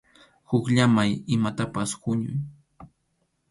Hukllaman imatapas huñuy.